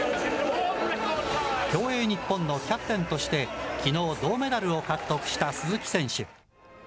競泳日本のキャプテンとして、きのう銅メダルを獲得した鈴木選手。